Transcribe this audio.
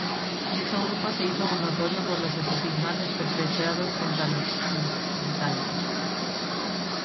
Dicho grupo se hizo notorio por los asesinatos perpetrados contra los los británicos.